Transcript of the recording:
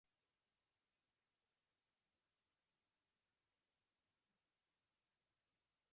En estos dos terrenos se ubican las instalaciones actuales.